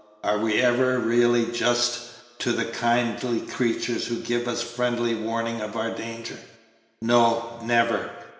Are we ever really just to the kindly creatures who give us friendly warning of our danger? No, never.